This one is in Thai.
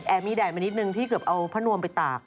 มีแดดมานิดนึงที่เกือบเอาผ้านวมไปตาก